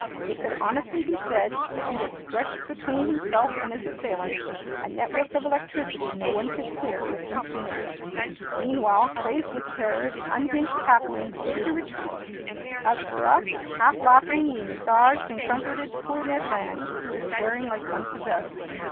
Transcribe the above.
It could honestly be said that he had stretched between himself and his assailants a network of electricity no one could clear with impunity. Meanwhile, crazed with terror, the unhinged Papuans beat a retreat. As for us, half laughing, we massaged and comforted poor Ned Land, who was swearing like one possessed.